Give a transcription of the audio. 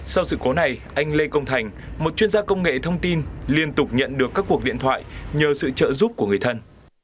sau sự cố này anh lê công thành một chuyên gia công nghệ thông tin liên tục nhận được các cuộc điện thoại nhờ sự trợ giúp của người thân